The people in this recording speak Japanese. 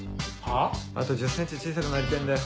あと１０ｃｍ小さくなりてぇんだよ。